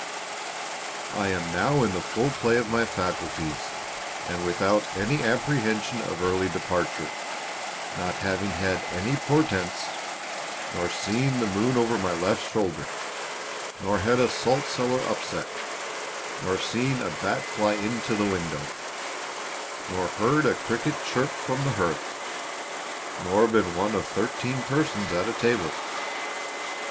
I am now in the full play of my faculties, and without any apprehension of early departure, not having had any portents, nor seen the moon over my left shoulder, nor had a salt cellar upset, nor seen a bat fly into the window, nor heard a cricket chirp from the hearth, nor been one of thirteen persons at a table.